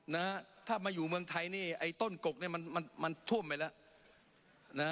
นะฮะถ้ามาอยู่เมืองไทยนี่ไอ้ต้นกกเนี่ยมันมันท่วมไปแล้วนะฮะ